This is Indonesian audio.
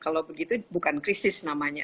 kalau begitu bukan krisis namanya